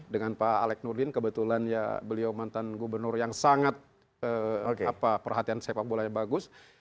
dengan pak alec nurdin kebetulan ya beliau mantan gubernur yang sangat perhatian sepak bolanya bagus